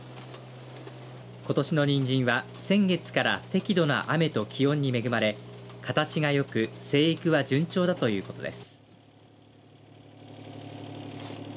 ことしのにんじんは先月から適度な雨と気温に恵まれ形がよく生育は順調だということです。